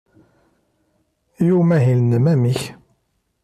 I umahil-nnem, amek?